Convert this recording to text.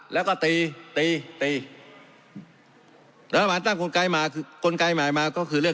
แล้วก็ตีตีตีตีรัฐบาลตั้งกลไกมาคือกลไกใหม่มาก็คือเรื่อง